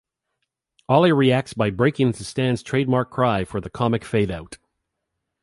Ollie reacts by breaking into Stan's trademark cry for the comic fadeout.